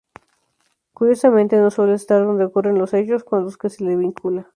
Curiosamente, no suele estar donde ocurren los hechos con los que se lo vincula.